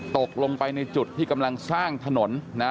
ตกลงไปในจุดที่กำลังสร้างถนนนะ